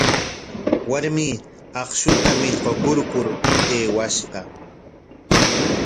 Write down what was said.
Warmi akshuta millqakurkur aywakushqa.